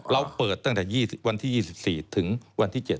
เราเปิดตั้งแต่วันที่๒๔ถึงวันที่๗